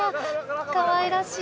かわいらしい。